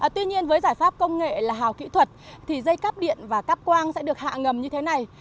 tuy nhiên với giải pháp công nghệ là hào kỹ thuật thì dây cắp điện và cắp quang sẽ được hạ ngầm như thế này